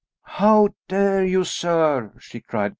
"How dare you, sir?" she cried.